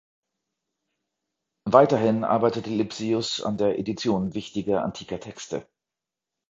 Weiterhin arbeitete Lipsius an der Edition wichtiger antiker Texte.